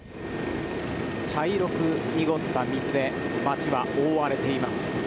茶色く濁った水で町は覆われています。